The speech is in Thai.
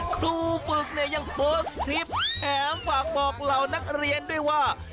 ครูฝึกเนี่ยยังโพสต์คลิปแถมฝากบอกเหล่านักเรียนด้วยว่า